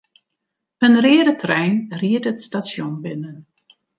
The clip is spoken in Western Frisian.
In reade trein ried it stasjon binnen.